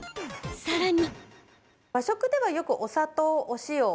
さらに。